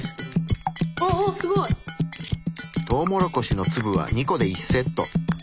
あっすごい！トウモロコシの粒は２個で１セット。